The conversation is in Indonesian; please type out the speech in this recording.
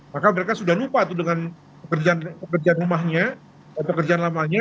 maka mereka sudah lupa tuh dengan pekerjaan rumahnya pekerjaan lamanya